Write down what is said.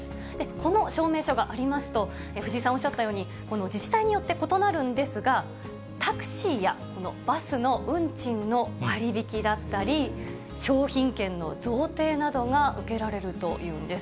この証明書がありますと、藤井さんおっしゃったように、自治体によって異なるんですが、タクシーや、このバスの運賃の割引だったり、商品券の贈呈などが受けられるというんです。